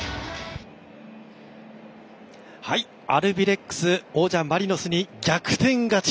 アルビレックス王者マリノスに逆転勝ち。